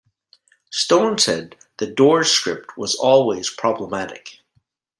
Stone said, "The Doors" script was always problematic.